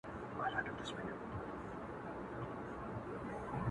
دا ځلي غواړم لېونی سم د هغې مینه کي،